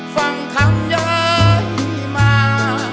ฟังคำย้อยมา